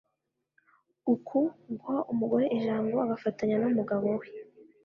uku guha umugore ijambo agafatanya n’umugabo we